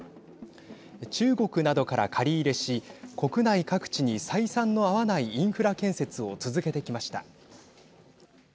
中国などから借り入れし国内各地に採算の合わないインフラ建設を続けてきました。